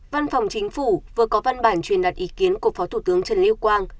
văn phòng chính phủ vừa có văn bản truyền đặt ý kiến của phó thủ tướng trần lưu quang